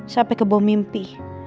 sampai ke bawah mimpi